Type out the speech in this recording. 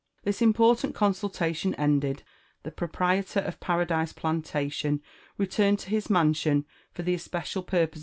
This important consultation ended, the proprietor of Paradise Plan tatioq. returned to his mansion for the especial purpose.